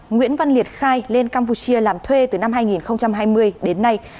nguyễn văn liệt khai lên campuchia làm thuê từ năm hai nghìn hai mươi đến nay